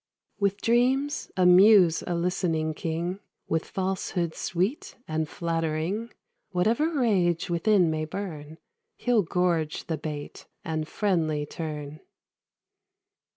With dreams amuse a listening king, With falsehoods sweet and flattering; Whatever rage within may burn, He'll gorge the bait, and friendly turn.